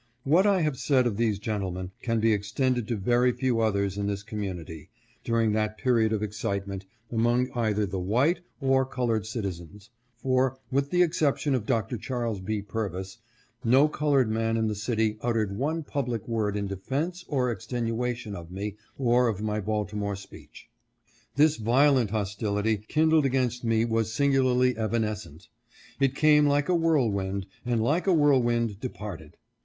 What I have said of these gentlemen, can be extended to very few others in this community, during that period of excitement, among either the white or colored citizens, for, with the excep tion of Dr. Charles B. Purvis, no colored man in the city uttered one public word in defence or extenuation of me or of my Baltimore speech. This violent hostility kindled against me was singularly evanescent. It came like a whirlwind, and like a whirl wind departed.